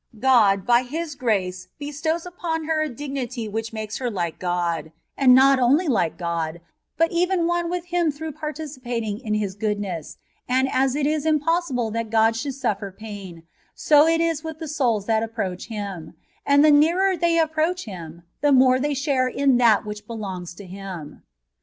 God, by His grace, bestows upon her a dignity which makes ber like God, and not only like God, but even one with Him through participating in His goodness; and as it is impossible that God should snffer pain, so it is with the souls that approach Him; and the nearer they approach Him, the more they share in that which belongs to Him.